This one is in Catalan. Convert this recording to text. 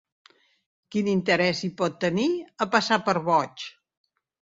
Quin interès hi pot tenir, a passar per boig?